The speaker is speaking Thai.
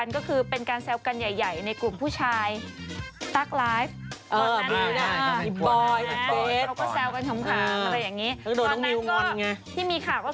ตอนนี้เรียกว่าเป็นแบบตำแหน่งเจ้าแม่พรีเซนเตอร์กันเลยทีเดียวนะคะ